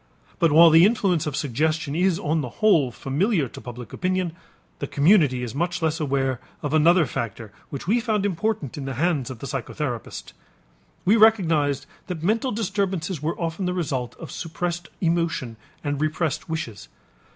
But while the influence of suggestion is on the whole familiar to public opinion, the community is much less aware of another factor which we found important in the hands of the psychotherapist. We recognized that mental disturbances were often the result of suppressed emotion and repressed wishes.